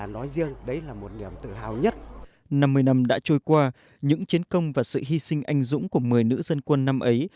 năm mươi năm đã trôi qua những chiến công và sự hy sinh anh dũng của một mươi nữ dân quân năm ấy